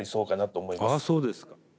ああそうですか。